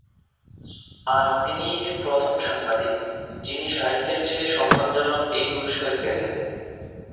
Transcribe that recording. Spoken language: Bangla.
আর তিনিই প্রথম সাংবাদিক, যিনি সাহিত্যের সবচেয়ে সম্মানজনক এই পুরস্কার পেলেন।